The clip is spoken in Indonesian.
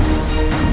aku sudah menang